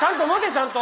ちゃんと。